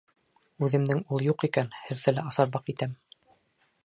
Үҙемдең ул юҡ икән, һеҙҙе лә асарбаҡ итәм.